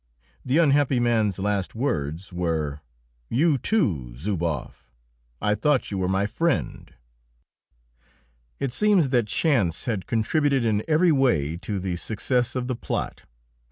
The unhappy man's last words were, "You, too, Zuboff! I thought you were my friend!" It seems that chance had contributed in every way to the success of the plot.